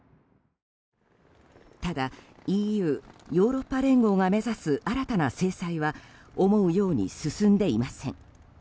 ただ、ＥＵ・ヨーロッパ連合が目指す新たな制裁は思うように進んでいません。